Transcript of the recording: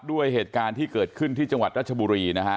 ด้วยเหตุการณ์ที่เกิดขึ้นที่จังหวัดรัชบุรีนะฮะ